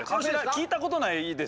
聞いたことないです